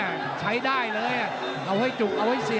มันต้องอย่างงี้มันต้องอย่างงี้